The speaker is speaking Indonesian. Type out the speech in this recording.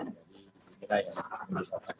jadi ini adalah yang harus disatukan